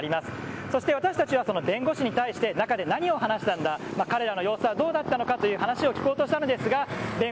そして、私たちは弁護士に対して中で何を話したんだ彼らの様子は、どうなのかという話を聞こうとしたのです。